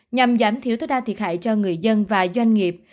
nhằm giảm thiểu tối đa thiệt hại cho người dân và doanh nghiệp